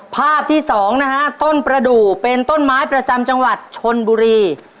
ภาพที่สองนะฮะต้นประดูกเป็นต้นไม้ประจำจังหวัดชนบุรี